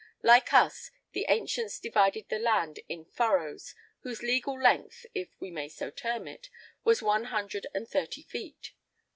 Like us, the ancients divided the land in furrows, whose legal length (if we may so term it) was one hundred and thirty feet.